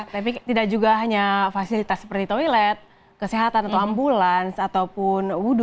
tapi tidak juga hanya fasilitas seperti toilet kesehatan atau ambulans ataupun wudhu